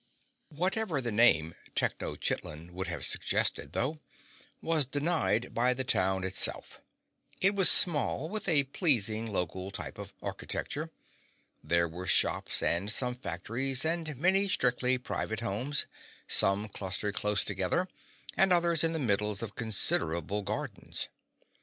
Whatever the name Tenochitlan would have suggested, though, was denied by the town itself. It was small, with a pleasing local type of architecture. There were shops and some factories, and many strictly private homes, some clustered close together and others in the middles of considerable gardens.